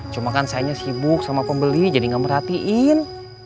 cuma kan saya sibuk sama pembeli jadi ga merhatiin